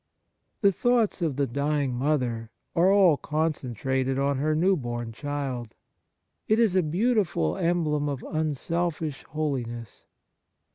The thoughts of the dying mother are all concentrated on her new born child. It is a beautiful emblem of unselfish holiness.